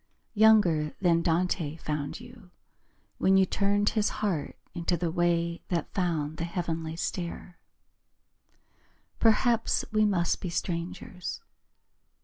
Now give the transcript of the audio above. Younger than Dante found you When you turned His heart into the way That found the heavenly stair. Perhaps we must be strangers.